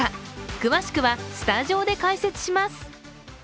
詳しくはスタジオで解説します。